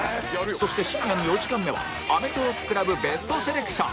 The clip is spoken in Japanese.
そして深夜の４時間目はアメトーーク ＣＬＵＢＢＥＳＴ セレクション